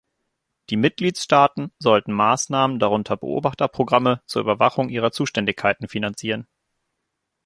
Die Mitgliedstaaten sollten Maßnahmen, darunter Beobachterprogramme, zur Überwachung ihrer Zuständigkeiten finanzieren.